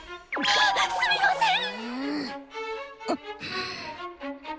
わっすみません！